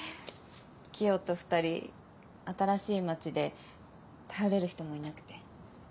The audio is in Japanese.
キヨと２人新しい街で頼れる人もいなくて。